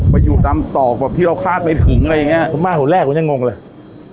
ไปอยู่ตามตอกแบบที่เราคาดไปถึงอะไรอย่างเงี้ยคุณแม่คนแรกผมยังงงเลย